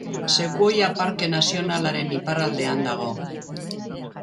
Sekuoia Parke Nazionalaren iparraldean dago.